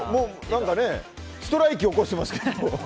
何かねストライキ起こしてますけど。